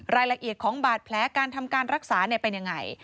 รายละเอียดของบาดแผลการทำการรักษาเป็นยังไง